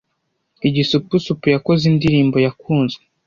Igisupusupu yakoze indirimbo yakunzwe